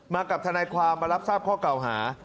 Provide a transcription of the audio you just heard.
กับทนายความมารับทราบข้อเก่าหา